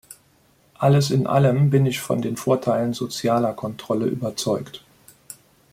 Alles in allem bin ich von den Vorteilen sozialer Kontrolle überzeugt.